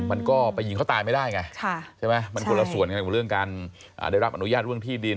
มันก็ไปยิงเขาตายไม่ได้ไงใช่ไหมมันคนละส่วนกันกับเรื่องการได้รับอนุญาตเรื่องที่ดิน